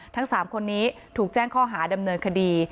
ทั้ง๓คนนี้ถูกแจ้งข้อหาดำเนินคดี